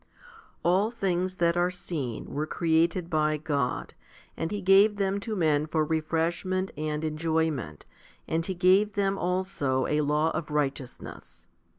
i. ALL things that are seen were created by God, and He gave them to men for refreshment and enjoyment, and He gave them also a law of righteousness.